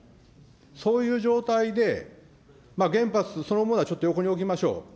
そういう状態で、原発そのものはちょっと横に置きましょう。